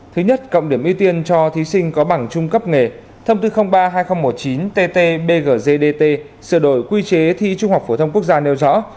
thứ nhất cộng điểm ưu tiên cho thí sinh có bằng trung cấp nghề thông tư ba hai nghìn một mươi chín tt bggdt sửa đổi quy chế thi trung học phổ thông quốc gia nêu rõ